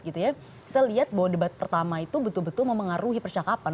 kita lihat bahwa debat pertama itu betul betul memengaruhi percakapan